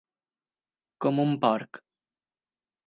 Com un porc.